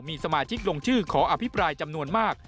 มีสมาชิกลงชื่อขออภิปรายจำนวนมาก